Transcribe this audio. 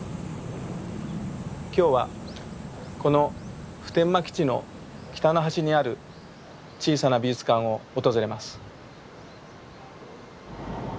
今日はこの普天間基地の北の端にある小さな美術館を訪れます。